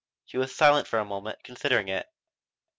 She was silent for a moment, considering it.